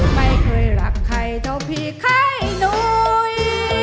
ไม่เคยรักใครเท่าพี่ใครหนุ่ย